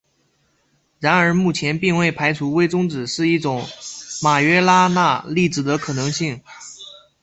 然而目前并未排除微中子是一种马约拉纳粒子的可能性。